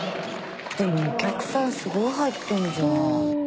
でもお客さんすごい入ってんじゃん。